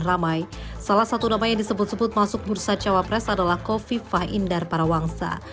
ramai salah satu nama yang disebut sebut masuk bursa cawapres adalah kofifah indar parawangsa